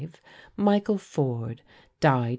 Michael Ford (d.